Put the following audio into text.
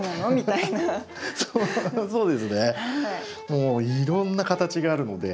もういろんな形があるので。